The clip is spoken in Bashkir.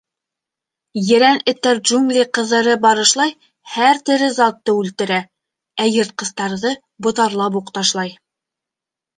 Ерән эттәр джунгли ҡыҙырып барышлай һәр тере затты үлтерә, ә йыртҡыстарҙы ботарлап уҡ ташлай.